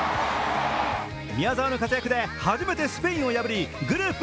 宮澤の活躍で初めてスペインを破りグループ